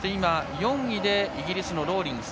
４位にイギリスのローリングス。